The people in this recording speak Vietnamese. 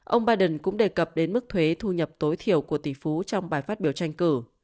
ông biden cũng đề cập đến mức thuế thu nhập tối thiểu của tỷ phú trong bài phát biểu tranh cử